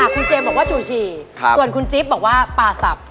คุณเจมส์บอกว่าชูชีส่วนคุณจิ๊บบอกว่าปลาสับ